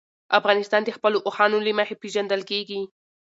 افغانستان د خپلو اوښانو له مخې پېژندل کېږي.